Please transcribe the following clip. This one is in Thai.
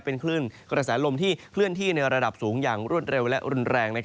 เป็นคลื่นกระแสลมที่เคลื่อนที่ในระดับสูงอย่างรวดเร็วและรุนแรง